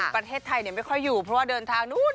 ประเทศไทยไม่ค่อยอยู่เพราะว่าเดินทางนู้น